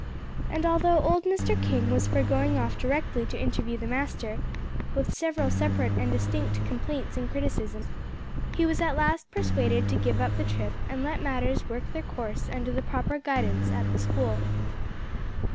And although old Mr. King was for going off directly to interview the master, with several separate and distinct complaints and criticisms, he was at last persuaded to give up the trip and let matters work their course under the proper guidance at the school.